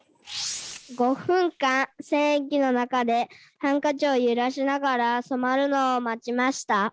５分間、染液の中でハンカチを揺らしながら染まるのを待ちました。